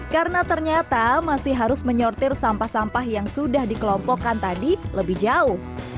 karena ternyata masih harus menyortir sampah sampah yang sudah dikelompokkan tadi lebih jauh